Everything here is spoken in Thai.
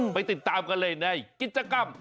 ไปติดตามกันเลยในกิจกรรม